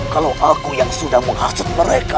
kalau aku yang sudah menghacat mereka